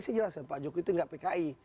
saya jelasin pak jokowi itu enggak pki